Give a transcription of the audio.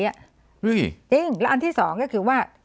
จริงแล้วอันที่สองก็คือว่า